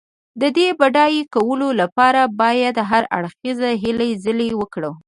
د دې د بډای کولو لپاره باید هر اړخیزې هلې ځلې وکړو.